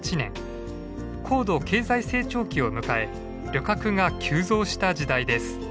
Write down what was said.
高度経済成長期を迎え旅客が急増した時代です。